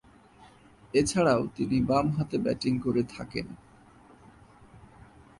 এছাড়াও, তিনি বামহাতে ব্যাটিং করে থাকেন।